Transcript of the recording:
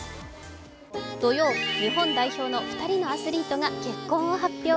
土曜、日本代表の２人のアスリートが結婚を発表。